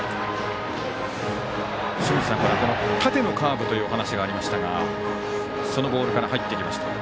清水さんから縦のカーブというお話がありましたがそのボールから入ってきました。